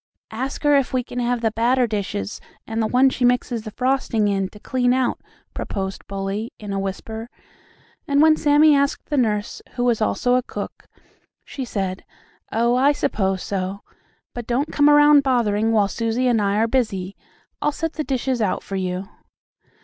"Ask her if we can have the batter dishes and the one she mixes the frosting in, to clean out," prosed Bully, in a whisper, and when Sammie asked the nurse, who was also a cook, she said: "Oh, I suppose so. But don't come around bothering while Susie and I are busy. I'll set the dishes out for you."